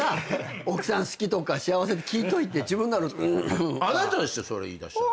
奥さん好き？とか幸せ？って聞いといて自分だと「うん」あなたですよそれ言いだしたの。